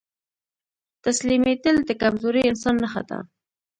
تسليمېدل د کمزوري انسان نښه ده.